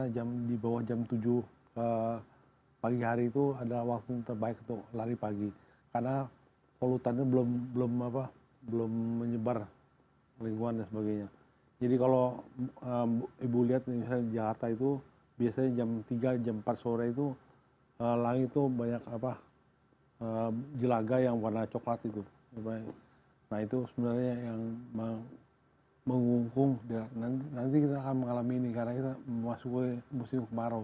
jadi ini polusi yang sudah terbukti sangat merusak dibagi sehatan ini dan ini pernafasan nih nah